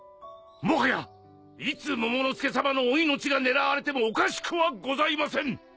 もはやいつモモの助さまのお命が狙われてもおかしくはございません！